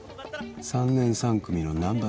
３年３組の難破です。